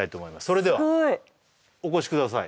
それではお越しください